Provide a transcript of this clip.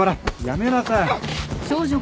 やめなさい。